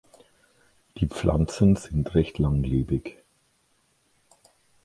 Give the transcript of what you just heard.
Die Pflanzen sind recht langlebig.